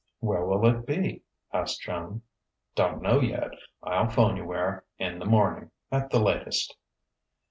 "Where will it be?" asked Joan. "Don't know yet I'll 'phone you where in the morning, at the latest...."